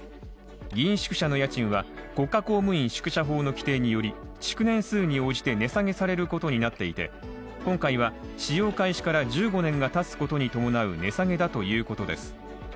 議員宿舎の家賃は国家公務員宿舎法の規定により築年数に応じて値下げされることになっていて、今回は使用開始から１５年がたつことに伴う値下げだということです。